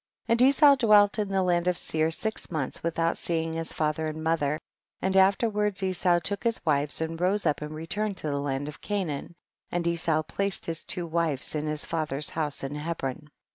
13. And Esau dwelt in the land of Seir six months without seeing his father and mother, and afterward Esau took his wives and rose up and returned to the land of Canaan, and Esau placed his two wives in his father's house in Hebron.